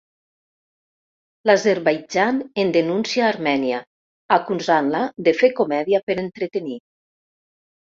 L'Azerbaidjan en denuncia Armènia, acusant-la de fer comèdia per entretenir.